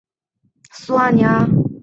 苏阿尼阿。